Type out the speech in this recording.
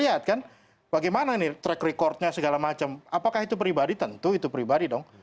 tapi kan kita akan mencari itu kan harus dilihat bagaimana track recordnya segala macam apakah itu pribadi tentu itu pribadi dong